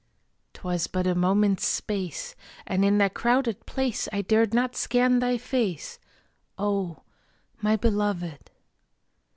'Twas but a moment's space, And in that crowded place I dared not scan thy face O! my Beloved.